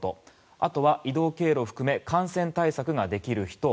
あとは、移動経路を含め感染対策ができる人。